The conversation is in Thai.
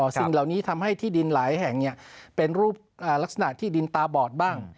สิ่งเหล่านี้ทำให้ที่ดินหลายแห่งเป็นรูปลักษณะที่ดินตาบอดบ้าง